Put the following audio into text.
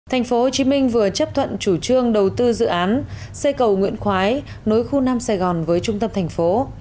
thành phố hồ chí minh vừa chấp thuận chủ trương đầu tư dự án xây cầu nguyễn khoái nối khu nam sài gòn với trung tâm thành phố